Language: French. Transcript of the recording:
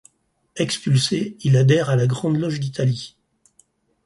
Expulsé, il adhère à la Grande Loge d'Italie.